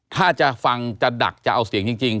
ถ้าจะฟังจะดักจะเอาเสียงจริง